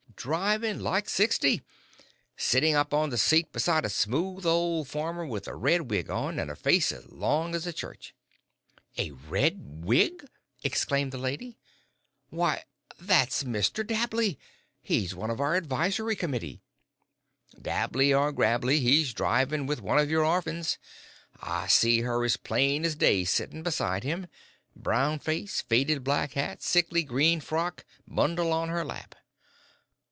"Driving like sixty, sitting up on the seat beside a smooth old farmer with a red wig on, and a face as long as a church." "A red wig!" exclaimed the lady. "Why, that's Mr. Dabley he's one of our advisory committee." "Dabley or Grabley, he's driving with one of your orphans. I see her as plain as day sitting beside him brown face, faded black hat, sickly green frock, bundle on her lap."